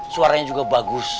suaranya juga bagus